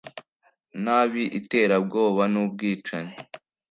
nabi iterabwoba n ubwicanyi